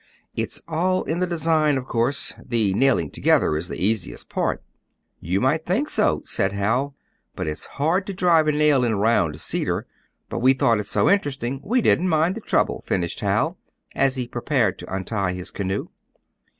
"It's all in the design, of course; the nailing together is the easiest part." "You might think so," said Hal, "but it's hard to drive a nail in round cedar. But we thought it so interesting, we didn't mind the trouble," finished Hal, as he prepared to untie his canoe.